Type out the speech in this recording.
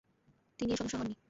তিনি এর সদস্য হননি।